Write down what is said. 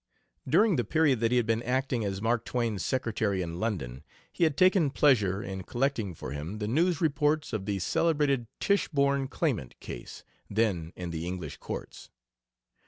During the period that he had been acting as Mark Twain's secretary in London, he had taken pleasure in collecting for him the news reports of the celebrated Tichborn Claimant case, then in the English courts.